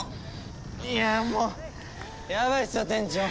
いやもうやばいっすよ店長。